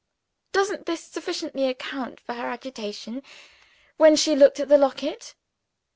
Doesn't this sufficiently account for her agitation when she looked at the locket?